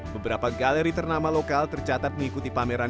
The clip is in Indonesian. beberapa galeri ternama lokal tercatat mengikuti pameran